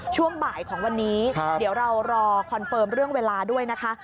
ช่วงบ่ายของวันนี้เดี๋ยวเรารอคอนเฟิร์มเรื่องเวลาด้วยนะคะ